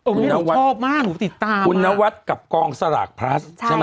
โอ้ยหนูชอบมากหนูติดตามมากคุณนวัฒน์กับกองสลากพลัสใช่มั้ย